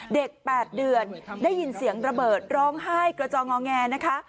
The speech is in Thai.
๘เดือนได้ยินเสียงระเบิดร้องไห้กระจองงอแงนะคะ